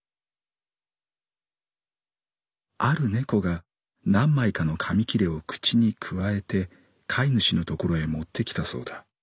「ある猫が何枚かの紙きれを口にくわえて飼い主のところへ持ってきたそうだ。